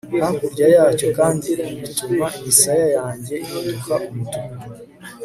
hakurya yacyo kandi ibi bituma imisaya yanjye ihinduka umutuku